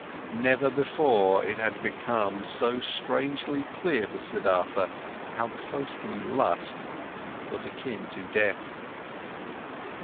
Never before, it had become so strangely clear to Siddhartha, how closely lust was akin to death.